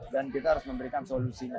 kita harus memberikan solusinya